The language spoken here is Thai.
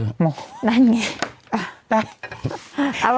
โหนั่นไง